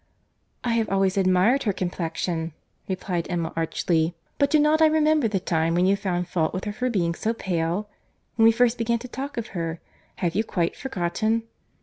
"I have always admired her complexion," replied Emma, archly; "but do not I remember the time when you found fault with her for being so pale?—When we first began to talk of her.—Have you quite forgotten?"